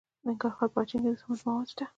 د ننګرهار په اچین کې د سمنټو مواد شته.